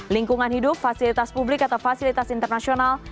lingkungan hidup fasilitas publik atau fasilitas internasional